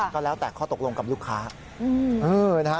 ก็แล้วแต่ข้อตกลงกับลูกค้า